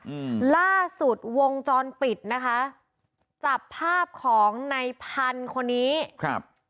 อืมล่าสุดวงจรปิดนะคะจับภาพของในพันธุ์คนนี้ครับ